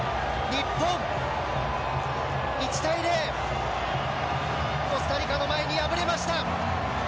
日本、１対０コスタリカの前に敗れました。